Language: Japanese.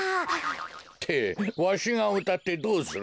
ってわしがうたってどうする。